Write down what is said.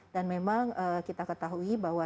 dan memang kita ketahui bahwa